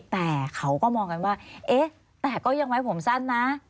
แต่เขาก็มองกันว่าเอ๊ะแต่ก็ยังไว้ผมสั้นนะ